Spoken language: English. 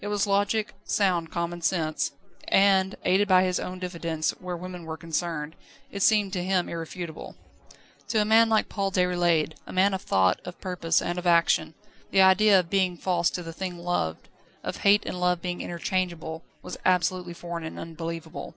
It was logic, sound common sense, and, aided by his own diffidence where women were concerned, it seemed to him irrefutable. To a man like Paul Déroulède, a man of thought, of purpose, and of action, the idea of being false to the thing loved, of hate and love being interchangeable, was absolutely foreign and unbelievable.